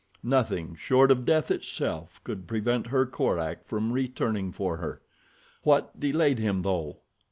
Nothing short of death itself could prevent her Korak from returning for her. What delayed him though?